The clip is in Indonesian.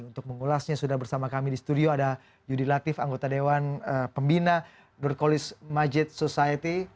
untuk mengulasnya sudah bersama kami di studio ada yudi latif anggota dewan pembina nurkolis majid society